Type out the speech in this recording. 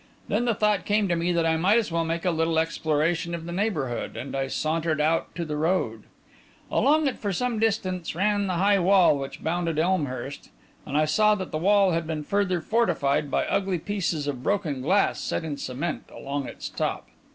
Then the thought came to me that I might as well make a little exploration of the neighbourhood, and I sauntered out to the road. Along it for some distance ran the high wall which bounded Elmhurst, and I saw that the wall had been further fortified by ugly pieces of broken glass set in cement along its top.